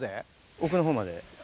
奥の方まで。